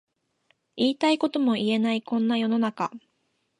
言いたいことも言えないこんな世の中